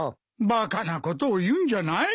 バカなことを言うんじゃない。